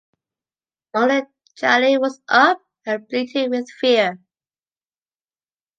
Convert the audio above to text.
Only Djali was up, and bleated with fear.